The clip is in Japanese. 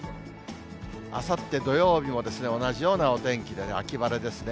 あさって土曜日も同じようなお天気でね、秋晴れですね。